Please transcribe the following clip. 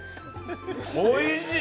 おいしい！